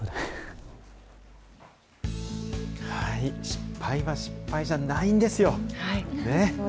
失敗は失敗じゃないんですよ。ね。